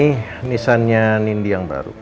ini nisannya nindi yang baru